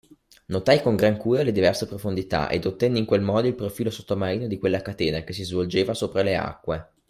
Notai con gran cura le diverse profondità, ed ottenni in quel modo il profilo sottomarino di quella catena che si svolgeva sopra le acque.